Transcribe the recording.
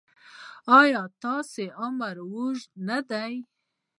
ایا ستاسو عمر اوږد نه دی؟